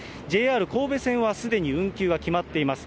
ＪＲ神戸線はすでに運休が決まっています。